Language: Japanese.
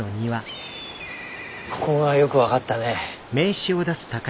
ここがよく分かったね。